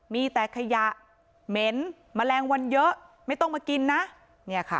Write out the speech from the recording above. มีแต่ขยะเหม็นแมลงวันเยอะไม่ต้องมากินนะเนี่ยค่ะ